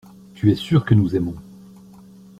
Tu es sûr que nous aimons.